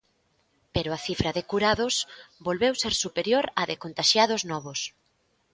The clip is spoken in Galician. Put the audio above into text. Pero a cifra de curados volveu ser superior á de contaxiados novos.